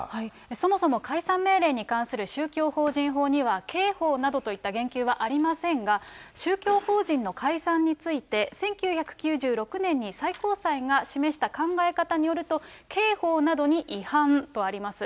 そもそも解散命令に関する宗教法人法には刑法などといった言及はありませんが、宗教法人の解散について、１９９６年に最高裁が示した考え方によると、刑法などに違反とあります。